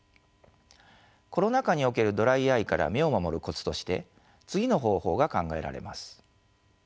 コロナ禍におけるドライアイから目を守るコツとして次の方法が考えられます。